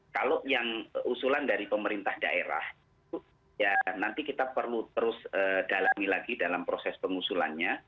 kalau yang usulan dari pemerintah daerah itu ya nanti kita perlu terus dalami lagi dalam proses pengusulannya